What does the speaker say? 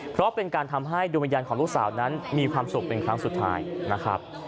เพราะเป็นการทำให้ดวงวิญญาณของลูกสาวนั้นมีความสุขเป็นครั้งสุดท้ายนะครับ